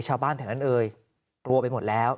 ชาวบ้านแถวนั้นเอ่ยกลัวไปหมดแล้ว